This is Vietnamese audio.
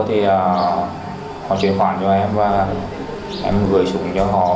thì họ chuyển khoản cho em và em gửi xuống cho họ